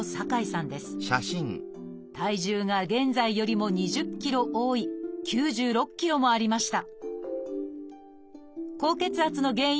体重が現在よりも２０ｋｇ多い９６ｋｇもありました。